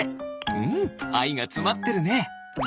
うんあいがつまってるね。